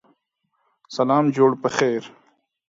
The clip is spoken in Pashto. سلام جوړ پخیر